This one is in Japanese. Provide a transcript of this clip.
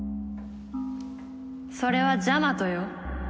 それはジャマトよ。